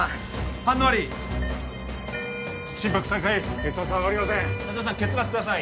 反応あり心拍再開血圧上がりません夏梅さん